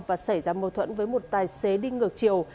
và xảy ra mâu thuẫn với một tài xế đi ngược chiều